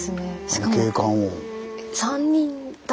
あの景観を。